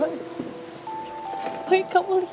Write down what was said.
sebenernya aku gatau harus cerita ke siapa lagi boy